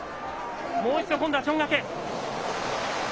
もう一度、今度はちょんがけ。